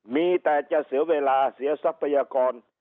มีแต่จะเสียเวลาเสียทรัพยากร